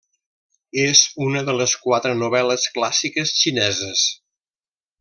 És una de les quatre novel·les clàssiques xineses.